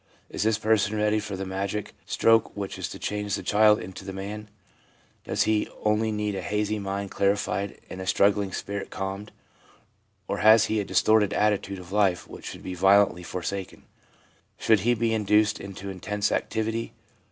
is this person ready for the magic stroke which is to change the child into the man ? does he only need a hazy mind clarified and a struggling spirit calmed, or has he a distorted attitude of life which should be violently forsaken? should he be induced into intense activity?